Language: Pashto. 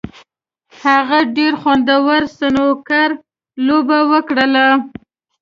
هغه ډېره خوندوره سنوکر لوبه وکړله.